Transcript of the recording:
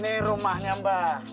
nah ini rumahnya mbah